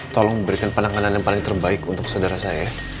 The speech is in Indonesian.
tolong berikan penanganan yang paling terbaik untuk saudara saya